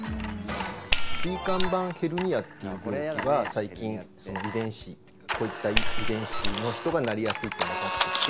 椎間板ヘルニアっていう病気は最近、こういった遺伝子の人がなりやすいっていうのがわかってきて。